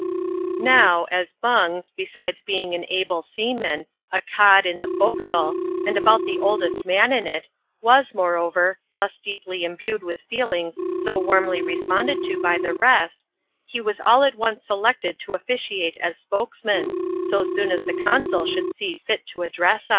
Now, as Bungs, besides being an able seaman, a " Cod" in the forecastle, and about the oldest man in it, was, moreover, thus deeply imbued with feelings so warmly responded to by the rest, he was all at once selected to ofiiciate as spokesman, so soon as the conavl should see fit to addreaa us.